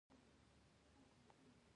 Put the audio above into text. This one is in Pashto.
غزه او نور جنګونه انساني توجیه نه لري.